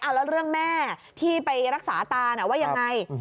แล้วเรื่องแม่ที่ไปรักษาตาว่ายังไง